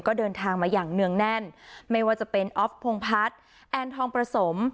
ก็เดินทางมาอย่างเนื่องแน่นไม่ว่าจะเป็นออฟพงพัฒน์แอนทองประสม